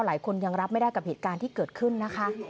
หลายคนยังรับไม่ได้กับเหตุการณ์ที่เกิดขึ้นนะคะ